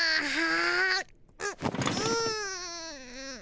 うん。